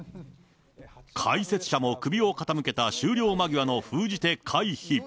解説者も首を傾けた、終了間際の封じ手回避。